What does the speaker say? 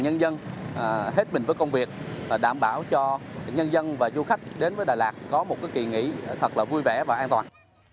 nhân dân hết mình với công việc đảm bảo cho nhân dân và du khách đến với đà lạt có một kỳ nghỉ thật là vui vẻ và an toàn